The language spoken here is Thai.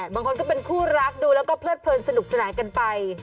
บางคนก็เป็นคู่รักดูแล้วก็เพลิดเพลินสนุกสนานกันไป